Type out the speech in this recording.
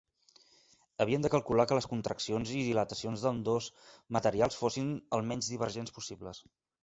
Havien de calcular que les contraccions i dilatacions d'ambdós materials fossin el menys divergents possibles.